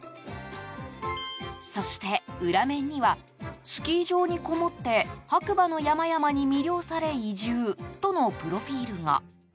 そして、裏面にはスキー場にこもって白馬の山々に魅了され移住とのプロフィールが。